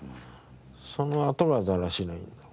そのあとがだらしないんだ。